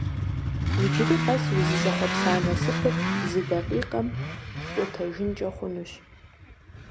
Иджыри къэс узыщӀэхъуэпса насыпыр зы дакъикъэм къутэжынкӀэ хъунущ.